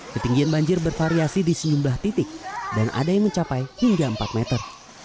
ketinggian banjir bervariasi di sejumlah titik dan ada yang mencapai hingga empat meter